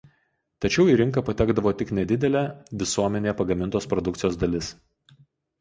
Tačiau į rinką patekdavo tik nedidelė visuomenėje pagamintos produkcijos dalis.